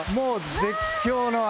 絶叫の嵐